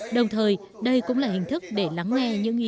đồng thời đây cũng là hình thức để lắng nghe những ý kiến